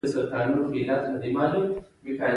دريیمه نېټه یې د اختر سره برابره ده.